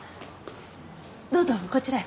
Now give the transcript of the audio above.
どうぞこちらへ。